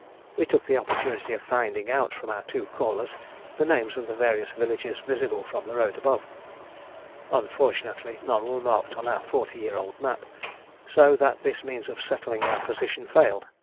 We took the opportunity of finding out from our two callers the names of the various villages visible from the road above; unfortunately, none were marked on our forty year old map, so that this means of settling our position failed.